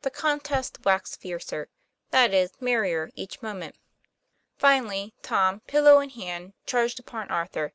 The contest waxed fiercer that is, merrier each moment. Finally, Tom, pillow in hand, charged upon Arthur.